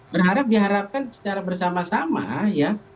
berharap diharapkan secara bersama sama ya